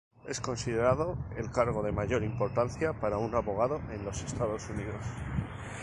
Es considerado el cargo de mayor importancia para un abogado en los Estados Unidos.